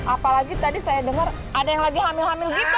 apalagi tadi saya dengar ada yang lagi hamil hamil gitu